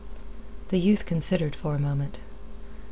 The youth considered for a moment.